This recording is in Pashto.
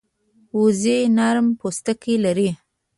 وزې نرم پوستکی لري